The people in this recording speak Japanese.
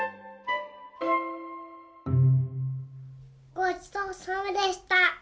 ごちそうさまでした！